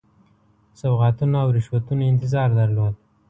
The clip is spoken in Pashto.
سوغاتونو او رشوتونو انتظار درلود.